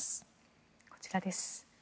こちらです。